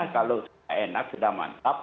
kalau enak sudah mantap